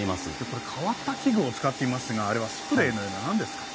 これ変わった器具を使っていますがあれはスプレーのような何ですか？